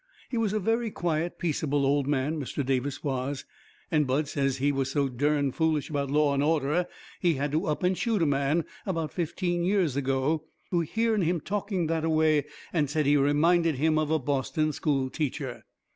He was a very quiet, peaceable old man, Mr. Davis was, and Bud says he was so dern foolish about law and order he had to up and shoot a man, about fifteen years ago, who hearn him talking that a way and said he reminded him of a Boston school teacher.